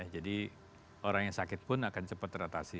jadi orang yang sakit pun akan cepat teratasi